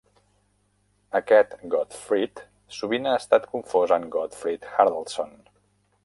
Aquest Godfrid sovint ha estat confós amb Godfrid Haraldsson.